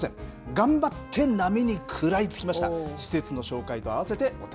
頑張って波に食らいつきました。